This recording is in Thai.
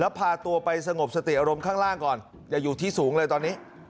แล้วพาตัวไปสงบสติอารมณ์ข้างล่างก่อนอย่าอยู่ที่สูงเลยตอนนี้